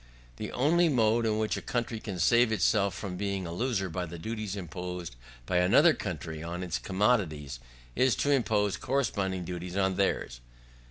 The only mode in which a country can save itself from being a loser by the duties imposed by other countries on its commodities, is to impose corresponding duties on theirs.